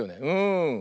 うん。